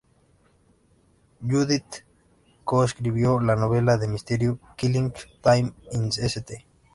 Judith co-escribió la novela de misterio "Killing Time in St.